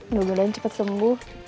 mudah mudahan cepet sembuh